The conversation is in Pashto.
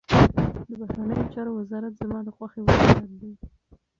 د بهرنیو چارو وزارت زما د خوښي وزارت دی.